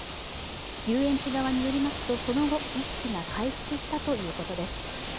遊園地側によりますと、その後、意識が回復したということです。